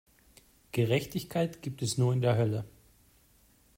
Gerechtigkeit gibt es nur in der Hölle!